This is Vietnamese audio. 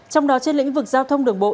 trong đó trên lĩnh vực giao thông đường bộ